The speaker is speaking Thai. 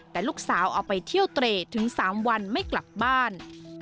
แต่ลูกสาวเอาไปเที่ยวเตรดถึง๓วันไม่กลับบ้าน